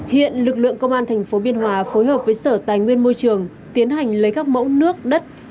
hiện lực lượng công an tp biên hòa phối hợp với sở tài nguyên môi trường tiến hành lấy các mẫu nước đất